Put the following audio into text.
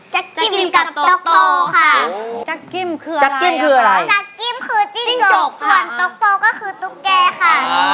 จักริมกับตกโตค่ะจักริมคือจิ้งโจกส่วนตกโตก็คือตุ๊กแก่ค่ะ